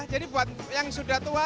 jadi buat yang sudah tua